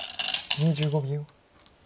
２５秒。